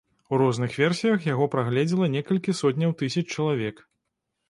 У розных версіях яго прагледзела некалькі сотняў тысяч чалавек.